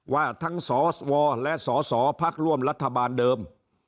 ว่าทั้งสวและสสพักร่วมรัฐบาลเดิม